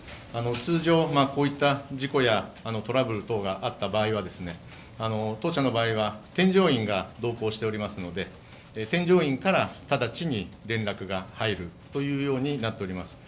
通常、こういった事故やトラブル等があった場合は当社の場合は添乗員が同行しておりますので添乗員から直ちに連絡が入るというようになっております。